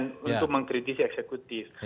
untuk mengkritisi eksekutif